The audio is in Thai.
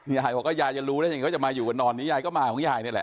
ยายบอกว่ายายจะรู้แล้วอย่างนี้ก็จะมาอยู่กันนอนนี้ยายก็มาของยายนี่แหละ